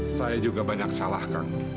saya juga banyak salah kang